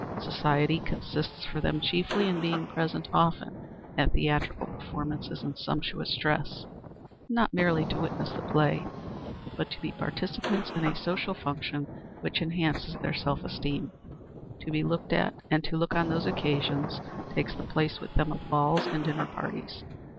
Society consists for them chiefly in being present often at theatrical performances in sumptuous dress, not merely to witness the play, but to be participants in a social function which enhances their self esteem. To be looked at and to look on these occasions takes the place with them of balls and dinner parties.